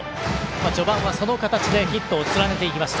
序盤はその形でヒットをつなげていきました。